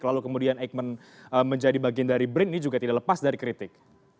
lalu kemudian eijkman menjadi bagian dari brin ini juga tidak lepas dari kritik